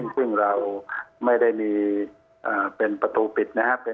ซึ่งเราไม่ได้มีเป็นประตูปิดนะครับ